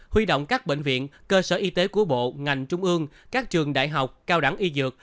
huy động các bệnh viện cơ sở y tế của bộ ngành trung ương các trường đại học cao đẳng y dược